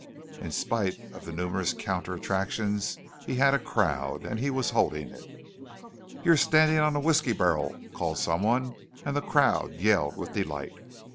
In spite of the numerous counter attractions he had a crowd; and he was holding it. "You're standing on a whiskey barrel!" called some one; and the crowd yelled with delight.